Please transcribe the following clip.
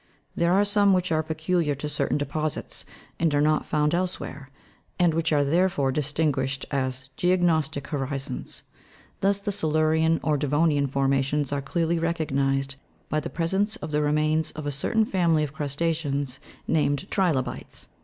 There are some which are peculiar to certain deposits, and are not found elsewhere, and which are therefore distinguished as geo gnostic horizons. Thus, the Silurian or Devonian formations are clearly recognised by the presence of the remains of a cer tain family of crusta'ceans, named trilobites (fig.